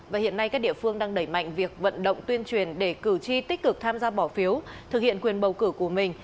và hiện nay các địa phương đang đẩy mạnh việc vận động tuyên truyền để cử tri tích cực tham gia bỏ phiếu thực hiện quyền bầu cử của mình